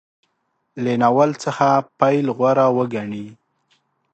له ناول څخه پیل غوره وګڼي.